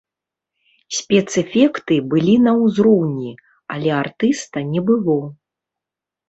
Спецэфекты былі на ўзроўні, але артыста не было.